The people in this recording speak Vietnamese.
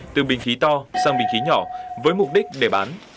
từ bình khí to sang bình khí nhỏ với mục đích để bán